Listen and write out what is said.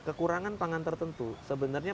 kekurangan pangan tertentu sebenarnya